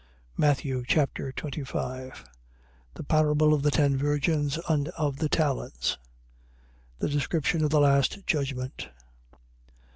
Matthew Chapter 25 The parable of the ten virgins and of the talents. The description of the last judgment.